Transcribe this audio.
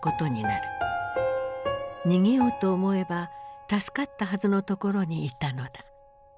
逃げようと思えば助かったはずのところにいたのだ。